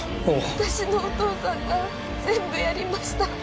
私のお父さんが全部やりました。